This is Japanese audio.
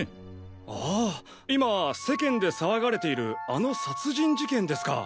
ああ今世間で騒がれているあの殺人事件ですか！